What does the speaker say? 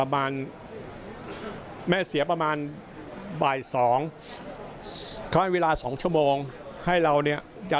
แม่เสียประมาณบ่ายสองใช้เวลาสองชั่วโมงให้เราเนี่ยจะ